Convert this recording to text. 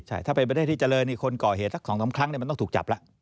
ใช่ถ้าเป็นประเทศที่เจริญนี่คนก่อเหตุสัก๒๓ครั้งมันต้องถูกจับแล้ว